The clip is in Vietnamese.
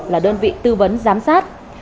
là đơn vị tư vấn giám sát